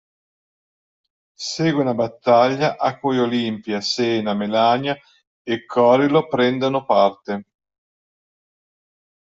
Segue una battaglia a cui Olimpia, Xena, Melania e Corilo prendono parte.